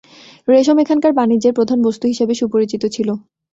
রেশম এখানকার বাণিজ্যের প্রধান বস্তু হিসাবে সুপরিচিত ছিল।